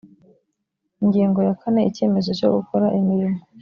ingingo ya kane icyemezo cyo gukora imirimo